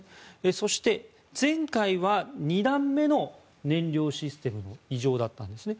そして、前回は２段目の燃料システムの異常だったんですね。